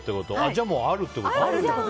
じゃあ、あるってこと？